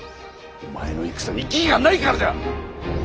お前の戦に義がないからじゃ！